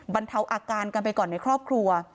บรรเทาอาการกันไปก่อนในครอบครัว